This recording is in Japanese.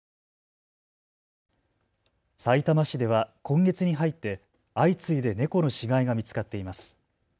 さいたま市では今月に入って相次いで猫の死骸が見つかっています。